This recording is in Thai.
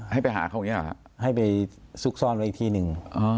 ให้ไปหาเขาอย่างนี้หรอให้ไปซุกซ่อนไว้อีกที่หนึ่ง